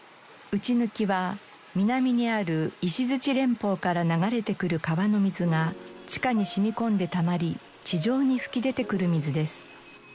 うちぬきは南にある石鎚連峰から流れてくる川の水が地下に染み込んでたまり地上に噴き出てくる水です。